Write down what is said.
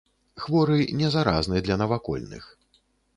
Хворы не заразны для навакольных.